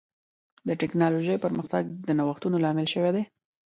د ټکنالوجۍ پرمختګ د نوښتونو لامل شوی دی.